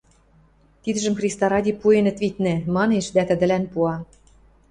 – Тидӹжӹм Христа ради пуэнӹт, виднӹ, – манеш дӓ тӹдӹлӓн пуа